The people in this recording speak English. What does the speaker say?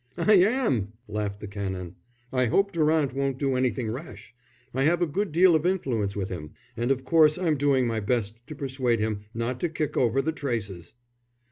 "I am," laughed the Canon. "I hope Durant won't do anything rash. I have a good deal of influence with him, and of course I'm doing my best to persuade him not to kick over the traces."